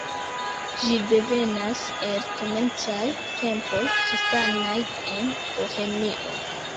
Ĝi devenas el komencaj tempoj kristanaj en Bohemio.